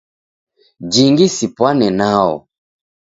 Jingi sipwane nao.